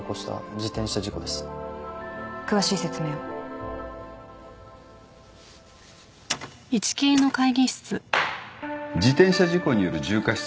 自転車事故による重過失致傷事件。